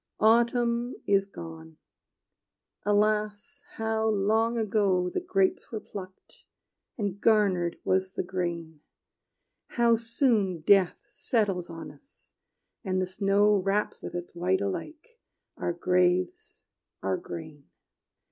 Autumn is gone: alas, how long ago The grapes were plucked, and garnered was the grain! How soon death settles on us, and the snow Wraps with its white alike our graves, our gain!